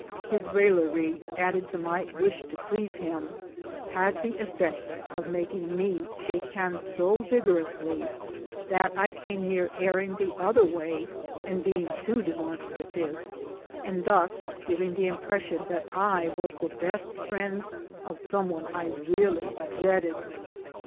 His raillery, added to my wish to please him, had the effect of making me shake hands so vigorously that I came near erring the other way and being too demon strative, and thus giving the impression that I was the best friend of some one I really dreaded.